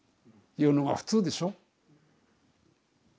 言うのが普通でしょ。